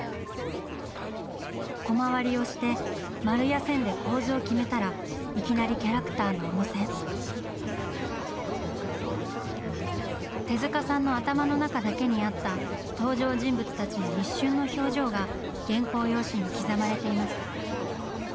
コマ割りをして丸や線で構図を決めたらいきなりキャラクターの主線。手さんの頭の中だけにあった登場人物たちの一瞬の表情が原稿用紙に刻まれています。